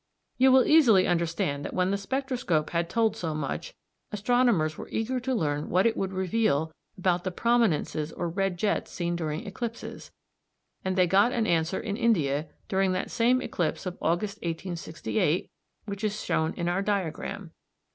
You will easily understand that when the spectroscope had told so much, astronomers were eager to learn what it would reveal about the prominences or red jets seen during eclipses, and they got an answer in India during that same eclipse of August 1868 which is shown in our diagram (Fig.